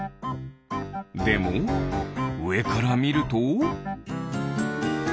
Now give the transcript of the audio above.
でもうえからみると？